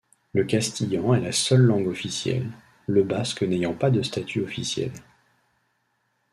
Le castillan est la seule langue officielle, le basque n’ayant pas de statut officiel.